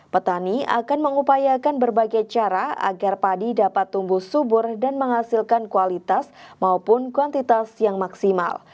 petani akan mengupayakan berbagai cara agar padi dapat tumbuh subur dan menghasilkan kualitas maupun kuantitas yang maksimal